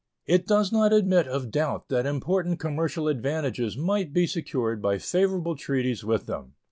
It does not admit of doubt that important commercial advantages might be secured by favorable treaties with them.